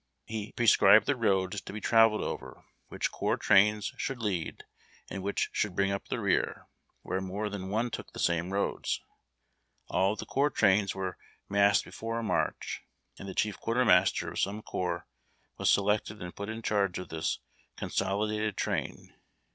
He prescribed the roads to be travelled over, which corps trains should lead and which should bring up the rear, where more than one took the same roads. All of the corps trains were massed before a march, and the chief quartermaster of some corps was selected and put in charge of this consolidated train.